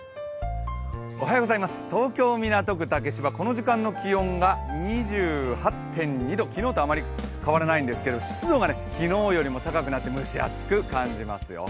東京・港区竹芝、この時間の気温が２８．２度、昨日とあまり変わらないんですが湿度が昨日よりも高くなって蒸し暑く感じますよ。